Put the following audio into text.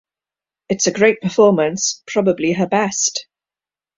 It's a great performance-probably her best.